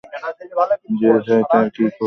যে যায় তার কি করি আমি, তুমি জানো।